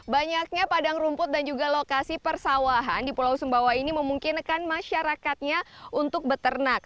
banyaknya padang rumput dan juga lokasi persawahan di pulau sumbawa ini memungkinkan masyarakatnya untuk beternak